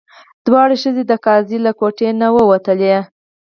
دواړه ښځې د قاضي له کوټې نه ووتلې.